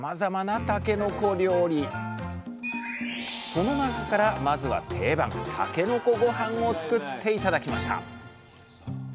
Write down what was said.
その中からまずは定番「たけのこごはん」を作って頂きました